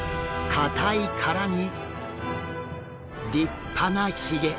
硬い殻に立派なひげ。